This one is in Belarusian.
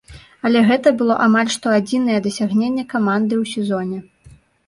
Але гэта было амаль што адзінае дасягненне каманды ў сезоне.